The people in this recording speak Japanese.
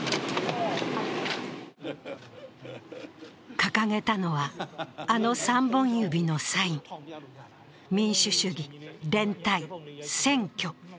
掲げたのは、あの３本指のサイン民主主義、連帯、選挙。